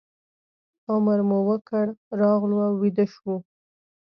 عمره مو وکړه راغلو او ویده شوو.